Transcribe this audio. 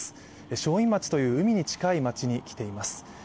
正院町という海の近い町に来ています。